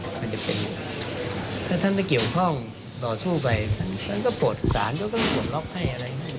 มันจะเป็นอะไรถ้าท่านจะเกี่ยวข้องต่อสู้ไปท่านก็โปรดสารท่านก็ต้องโปรดล็อคให้อะไรให้